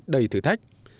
đầy thử thách